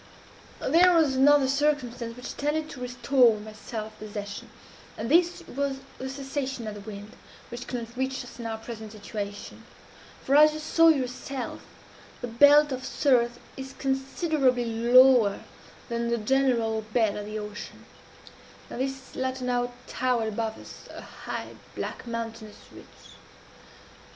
"There was another circumstance which tended to restore my self possession; and this was the cessation of the wind, which could not reach us in our present situation for, as you saw yourself, the belt of surf is considerably lower than the general bed of the ocean, and this latter now towered above us, a high, black, mountainous ridge.